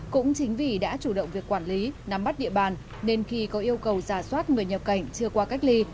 cũng chính vì đã chủ động việc quản lý nắm bắt địa bàn nên khi có yêu cầu giả soát người nhập cảnh chưa qua cách ly